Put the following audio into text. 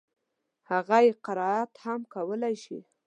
هغه يې قرائت هم کولای شي.